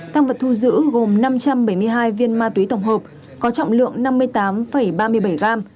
tăng vật thu giữ gồm năm trăm bảy mươi hai viên ma túy tổng hợp có trọng lượng năm mươi tám ba mươi bảy gram